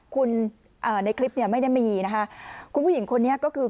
คุณอ่าในคลิปเนี่ยไม่ได้มีนะคะคุณผู้หญิงคนนี้ก็คือ